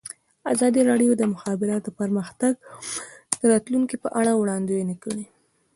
ازادي راډیو د د مخابراتو پرمختګ د راتلونکې په اړه وړاندوینې کړې.